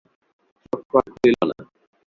চক্ষু আর খুলিল না।